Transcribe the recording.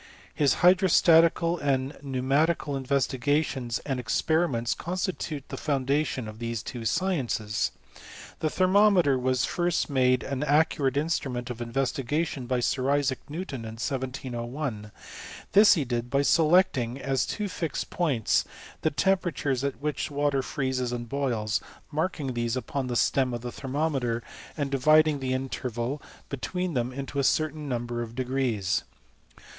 His hydxo*. statical and pneumatical investigations and . expei^ii* ments constitute the foundation of these two sciences:' The thermometer was first made an accurate insti^ ment of investigation by Sir Isaac Newton, in 170^ ' This he did by selecting as two fixed points the teib peratures at which water freezes and boils; markiii|^«. these upon the stem of the thermometer, and diyiding* TAK BELMONT AKD THE lATRO CHEMISTS. 205 the internal between them into a certain number of de grees.